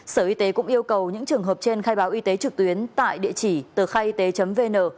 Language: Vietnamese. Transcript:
sở y tế cũng yêu cầu những trường hợp trên khai báo y tế trực tuyến tại địa chỉ từ khaiyt vn